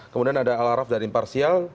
kemudian ada al araf dan imparsial